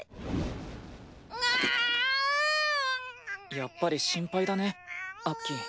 やっぱり心配だねアッキー。